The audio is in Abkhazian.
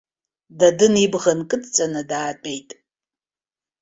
Дадын ибӷа нкыдҵаны даатәеит.